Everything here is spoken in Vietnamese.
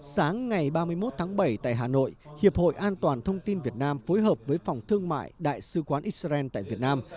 sáng ngày ba mươi một tháng bảy tại hà nội hiệp hội an toàn thông tin việt nam phối hợp với phòng thương mại đại sứ quán israel tại việt nam